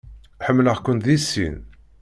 Ḥemmleɣ-kent deg sin.